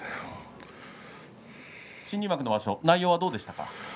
新入幕の場所内容はどうでしたか。